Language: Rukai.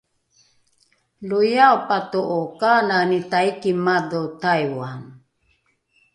loiae pato’o kanani taiki madho taiwan?